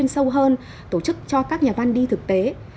sâu hơn tổ chức cho các nhà văn đi thực tế